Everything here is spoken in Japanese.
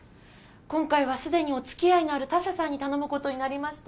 今回はすでにおつきあいのある他社さんに頼むことになりまして。